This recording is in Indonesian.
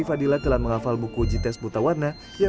tentang buku buku tawanan